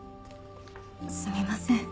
すみません